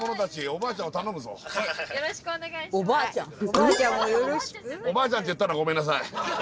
おばあちゃんって言ったのごめんなさい。